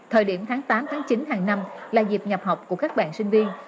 thời điểm tháng tám tháng chín hàng năm là dịp nhập học của các bạn sinh viên